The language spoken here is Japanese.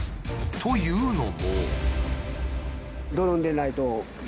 というのも。